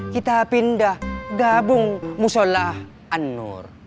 kita pindah gabung musola anur